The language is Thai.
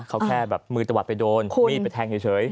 เขาแค่แบบมือตะวัดไปโดนมีดไปแทงเฉย